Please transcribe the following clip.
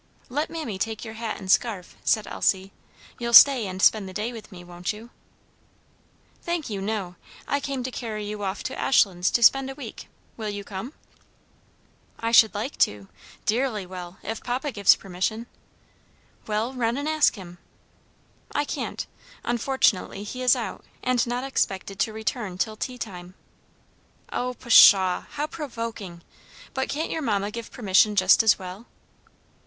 "Let mammy take your hat and scarf," said Elsie. "You'll stay and spend the day with me, won't you?" "Thank you, no; I came to carry you off to Ashlands to spend a week. Will you come?" "I should like to, dearly well, if papa gives permission." "Well, run and ask him." "I can't; unfortunately he is out, and not expected to return till tea time." "Oh, pshaw! how provoking! But can't your mamma give permission just as well?"